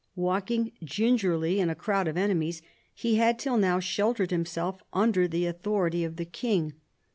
Walking gingerly in a crowd of enemies, he had till now sheltered himself under the authority of the King.